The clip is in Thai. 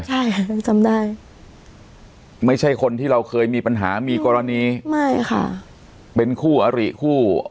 ใช่ค่ะยังจำได้ไม่ใช่คนที่เราเคยมีปัญหามีกรณีไม่ค่ะเป็นคู่อริคู่